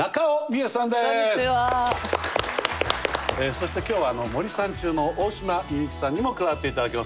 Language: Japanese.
そして今日は森三中の大島美幸さんにも加わって頂きます。